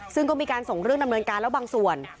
ซึ่งก็มีการส่งเรื่องดำเนินการแล้วบางส่วน